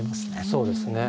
そうですね。